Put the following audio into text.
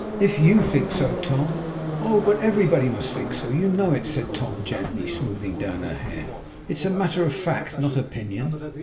'If YOU think so Tom ' 'Oh, but everybody must think so, you know,' said Tom, gently smoothing down her hair. 'It's matter of fact; not opinion.